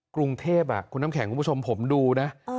กรุงเทพคุณน้ำแข็งคุณผู้ชมผมดูนะ